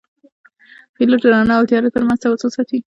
پیلوټ د رڼا او تیاره ترمنځ توازن ساتي.